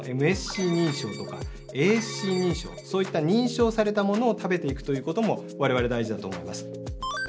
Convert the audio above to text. ＭＳＣ認証とかａｓｃ認証そういった認証されたものを食べていくということもわれわれ大事だと思います。